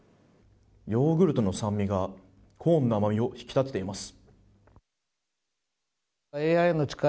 ヨーグルトの酸味がコーンの甘みを引き立てています